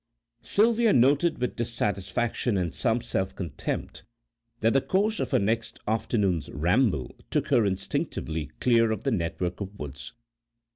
Sylvia noted with dissatisfaction and some self contempt that the course of her next afternoon's ramble took her instinctively clear of the network of woods.